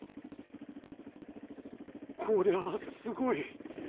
「こりゃあすごい。